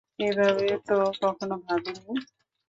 এভাবে তো কখনও ভাবিনি।